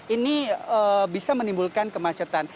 ini bisa menimbulkan kemacetan